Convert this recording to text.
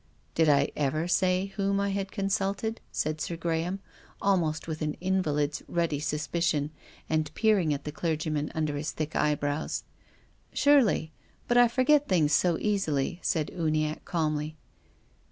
"" Did I ever say whom I had consulted ?" said Sir Graham, almost with an invalid's ready suspi cion, and peering at the clergyman under his thick eyebrows. " Surely. But I forget things so easily," said Uniacke calmly.